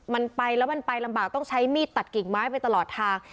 มันไปแล้วมันไปลำบากต้องใช้มีดตัดกิ่งไม้ไปตลอดทาง